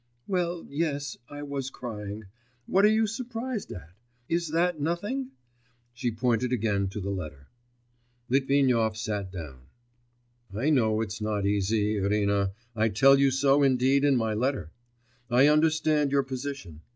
Well, yes, I was crying ... what are you surprised at? Is that nothing?' she pointed again to the letter. Litvinov sat down. 'I know it's not easy, Irina, I tell you so indeed in my letter ... I understand your position.